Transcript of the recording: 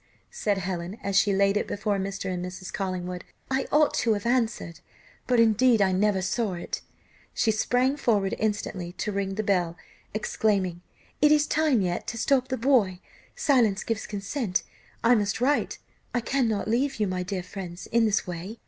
said Helen, as she laid it before Mr. and Mrs. Collingwood, "I ought to have answered, but, indeed, I never saw it;" she sprang forward instantly to ring the bell, exclaiming, "It is time yet stop the boy 'silence gives consent.' I must write. I cannot leave you, my dear friends, in this way.